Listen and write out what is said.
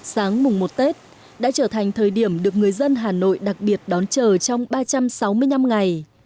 sáng mùng một tết đã trở thành thời điểm được người dân hà nội đặc biệt đón chờ trong ba trăm sáu mươi năm ngày